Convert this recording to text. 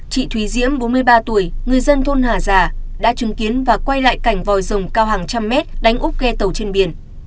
chị thùy diễm bốn mươi ba tuổi người dân thôn hà già đã chứng kiến và quay lại cảnh vòi rồng cao hàng trăm mét đánh úc ghe tàu trên biển